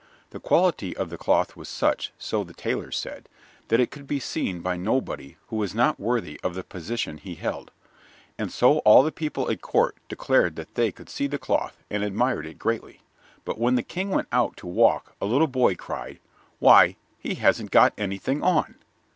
The quality of the cloth was such, so the tailors said, that it could be seen by nobody who was not worthy of the position he held. And so all the people at court declared that they could see the cloth and admired it greatly, but when the King went out to walk a little boy cried: "Why, he hasn't got anything on."